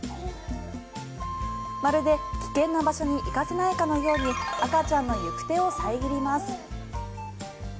まるで危険な場所に行かせないかのように赤ちゃんの行く手を遮ります。